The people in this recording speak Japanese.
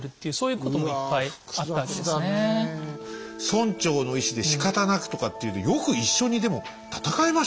村長の意思でしかたなくとかっていうのでよく一緒にでも戦えましたね。